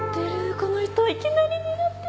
この人いきなり狙ってる。